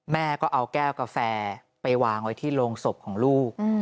แม่ก็เอาแก้วกาแฟไปวางไว้ที่โรงศพของลูก